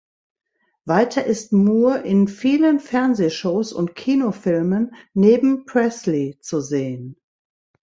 Weiter ist Moore in vielen Fernsehshows und Kinofilmen neben Presley zu sehen.